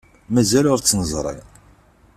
Mazal ur tt-neẓri.